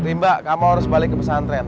rimba kamu harus balik ke pesantren